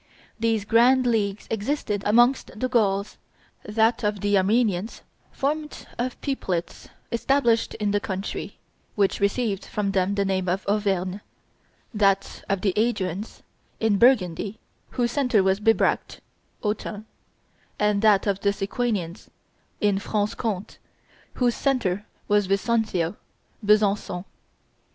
Three grand leagues existed amongst the Gauls; that of the Arvernians, formed of peoplets established in the country which received from them the name of Auvergne; that of the AEduans, in Burgundy, whose centre was Bibracte (Autun); and that of the Sequanians, in Franche Comte, whose centre was Vesontio (Besancon).